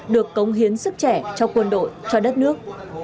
được cống hiến sức trẻ cho quân đội cho đất nước